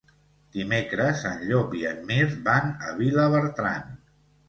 Dimecres en Llop i en Mirt van a Vilabertran.